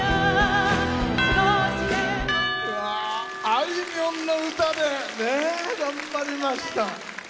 あいみょんの歌で頑張りました。